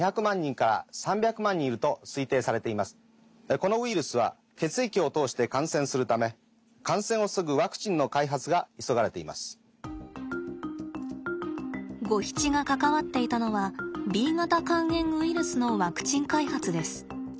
このウイルスは血液を通して感染するためゴヒチが関わっていたのはＢ型肝炎ウイルスのワクチン開発です。